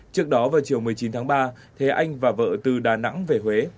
trước đó vào chiều một mươi chín tháng ba thế anh và vợ từ đà nẵng về huế